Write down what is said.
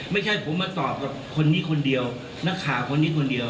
ไม่ใช่ผมมาตอบกับคนนี้คนเดียวนักข่าวคนนี้คนเดียว